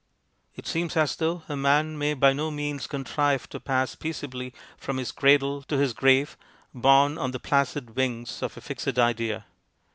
It seems as though a man may by no means contrive to pass peaceably from his cradle to his grave borne on the placid wings of a fixed idea.